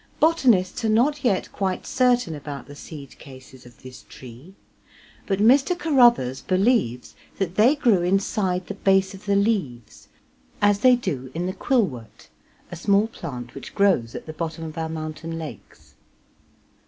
Botanists are not yet quite certain about the seed cases of this tree, but Mr. Carruthers believes that they grew inside the base of the leaves, as they do in the quillwort, a small plant which grows at the bottom of our mountain lakes.